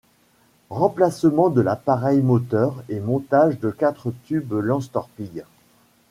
Remplacement de l'appareil moteur et montage de quatre tubes lance-torpilles.